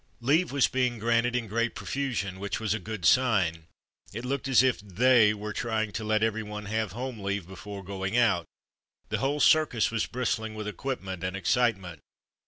Leave was being granted in great profu sion, which was a good sign. It looked as if "they'' were trying to let everyone have home leave before going out. The whole circus was bristling with equipment and ex citement.